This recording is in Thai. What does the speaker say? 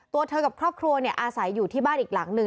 ตัวเธอกับครอบครัวอาศัยอยู่ที่บ้านอีกหลังหนึ่ง